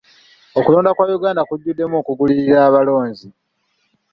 Okulonda kwa Uganda kujjuddemu okugulirira abalonzi.